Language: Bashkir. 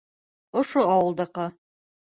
Ошо ауылдыҡы.